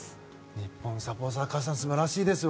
日本サポーター素晴らしいです。